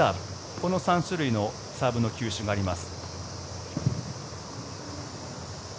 この３種類のサーブの球種があります。